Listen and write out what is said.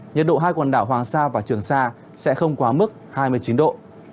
nhiệt độ hai quần đảo hoàng sa và trường sa sẽ không quá mức hai mươi chín độ